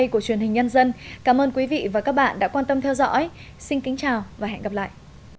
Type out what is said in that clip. cảm ơn quý vị và các bạn đã quan tâm theo dõi xin kính chào và hẹn gặp lại